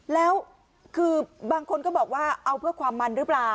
แล้วคือบางคนก็บอกว่าเอาเพื่อความมันหรือเปล่า